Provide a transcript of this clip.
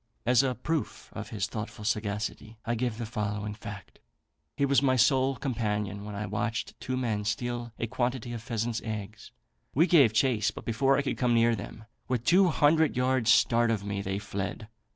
As a proof of his thoughtful sagacity, I give the following fact. He was my sole companion when I watched two men steal a quantity of pheasants' eggs: we gave chase; but before I could come near them, with two hundred yards start of me, they fled.